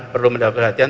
perlu mendapat perhatian